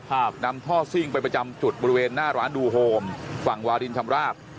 หากนำท่อซิ่งไปประจำจุดบริเวณหน้าร้านดูโฮมฝั่งวารินชำราบ